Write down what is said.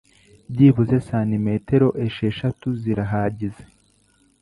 byibuze santimetero esheshatu zirahagize